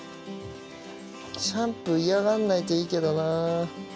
シャンプー嫌がんないといいけどな。